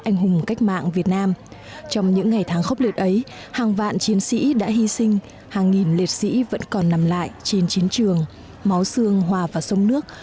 nhiều nghìn liệt sĩ vẫn còn nằm lại trên chiến trường máu xương hòa vào sông nước